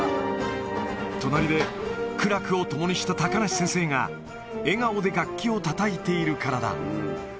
隣で苦楽を共にした高梨先生が、笑顔で楽器をたたいているからだ。